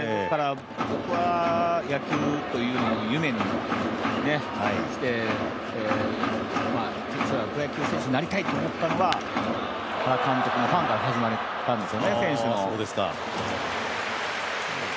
野球というものを夢に生きてプロ野球選手になりたいと思ったのが、原監督のファンから始まったんですよね、選手の。